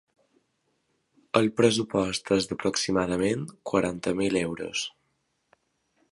El pressupost és d’aproximadament quaranta mil euros.